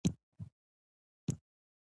حساس خلک ډېر ځورېږي پوه شوې!.